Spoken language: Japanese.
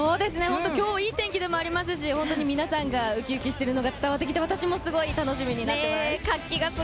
今日、いい天気でもありますし、皆さんがウキウキしているのが伝わってきて、私もすごい楽しみになってます。